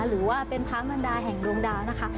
หรือว่าเป็นพระมันดาแห่งดวงดาวนะคะ